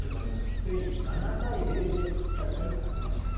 スペイン、７対０でコスタリカに勝ちました。